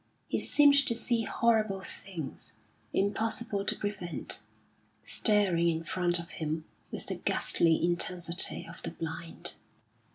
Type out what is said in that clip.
He seemed to see horrible things, impossible to prevent, staring in front of him with the ghastly intensity of the blind.